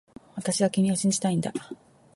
私は君を信じたいんだ